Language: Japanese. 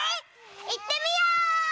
いってみよう！